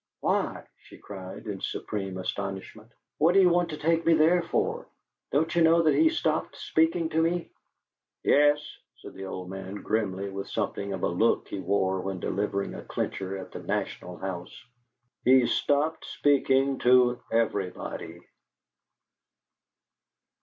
"Why?" she cried, in supreme astonishment. "What do you want to take me there for? Don't you know that he's stopped speaking to me?" "Yes," said the old man, grimly, with something of the look he wore when delivering a clincher at the "National House," "he's stopped speaking to everybody."